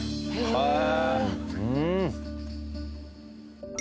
へえ！